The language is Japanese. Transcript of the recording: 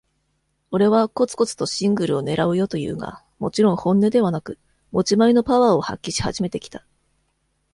俺は、コツコツとシングルを狙うよと言うが、もちろん本音ではなく、持ち前のパワーを発揮し始めてきた。